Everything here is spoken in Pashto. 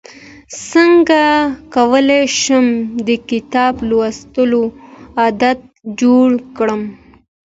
څنګه کولی شم د کتاب لوستلو عادت جوړ کړم